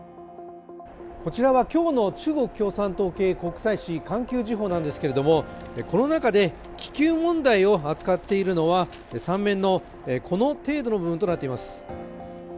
こちらは今日の中国共産党系国際紙、「環球時報」なんですけれどもこの中で気球問題を扱っているのは３面のこの程度の部分となっています。